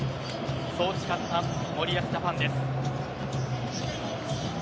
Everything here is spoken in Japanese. そう誓った森保ジャパンです。